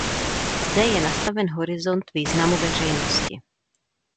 Zde je nastaven horizont významu veřejnosti.